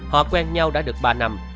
họ quen nhau đã được ba năm